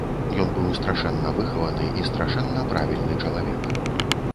Ён быў страшэнна выхаваны і страшэнна правільны чалавек.